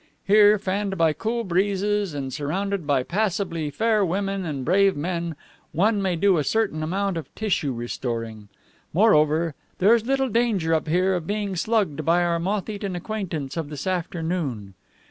Here, fanned by cool breezes and surrounded by passably fair women and brave men, one may do a certain amount of tissue restoring. Moreover, there is little danger up here of being slugged by our moth eaten acquaintance of this afternoon.